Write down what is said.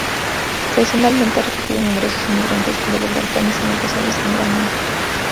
Tradicionalmente, ha acogido a numerosos inmigrantes de los Balcanes, en ocasiones en gran número.